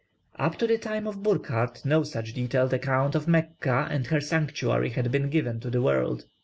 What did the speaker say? Up to the time of Burckhardt no such detailed account of Mecca and her sanctuary had been given to the world.